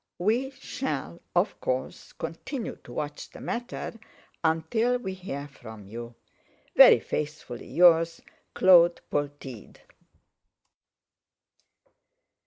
We shall, of course, continue to watch the matter until we hear from you. "Very faithfully yours, "CLAUD POLTEED."